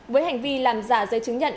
với hành vi làm giả giấy chứng nhận